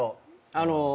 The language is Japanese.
あの。